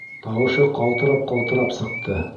Тауышы ҡалтырап-ҡалтырап сыҡты.